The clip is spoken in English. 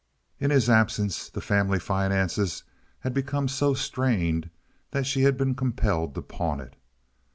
In his absence the family finances had become so strained that she had been compelled to pawn it.